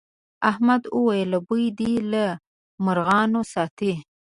احمد وويل: بوی دې له مرغانو ساتي.